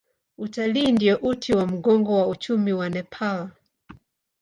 Utalii ndio uti wa mgongo wa uchumi wa Nepal.